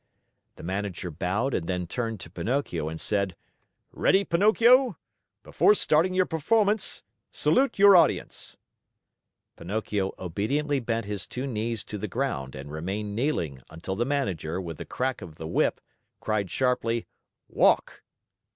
The Manager bowed and then turned to Pinocchio and said: "Ready, Pinocchio! Before starting your performance, salute your audience!" Pinocchio obediently bent his two knees to the ground and remained kneeling until the Manager, with the crack of the whip, cried sharply: "Walk!"